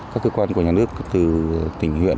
các cơ quan của nhà nước từ tỉnh huyện